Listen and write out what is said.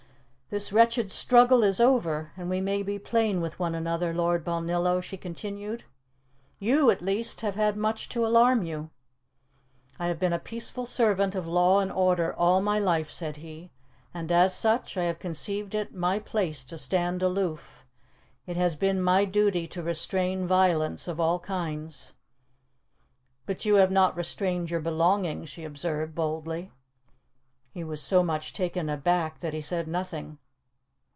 "This wretched struggle is over, and we may be plain with one another, Lord Balnillo," she continued. "You, at least, have had much to alarm you." "I have been a peaceful servant of law and order all my life," said he, "and as such I have conceived it my place to stand aloof. It has been my duty to restrain violence of all kinds." "But you have not restrained your belongings," she observed boldly. He was so much taken aback that he said nothing.